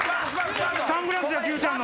サングラスやＱちゃんの。